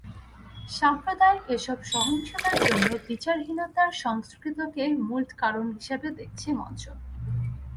সাম্প্রদায়িক এসব সহিংসতার জন্য বিচারহীনতার সংস্কৃতিকে মূল কারণ হিসেবে দেখছে মঞ্চ।